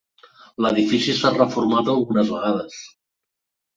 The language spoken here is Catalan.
L'edifici ha estat reformat algunes vegades.